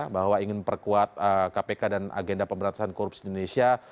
bahwa ingin memperkuat kpk dan agenda pemberantasan korupsi di indonesia